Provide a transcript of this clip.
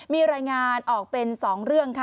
มีรายงานออกเป็น๒เรื่องค่ะ